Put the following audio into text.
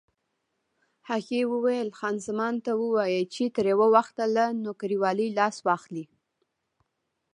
هغې وویل: خان زمان ته ووایه چې تر یو وخته له نوکرېوالۍ لاس واخلي.